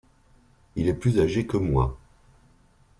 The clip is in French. Il est plus âgé que moi.